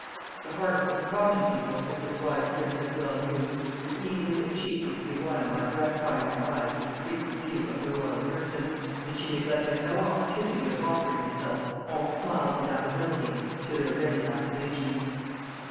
The hearts of the common people, as this wise princess well knew, were easily and cheaply to be won by gratifying their eyes with the frequent view of her royal person, and she neglected no opportunity of offering herself, all smiles and affability, to their ready acclamations.